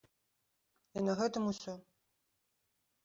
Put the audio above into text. І на гэтым усё.